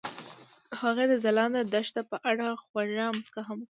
هغې د ځلانده دښته په اړه خوږه موسکا هم وکړه.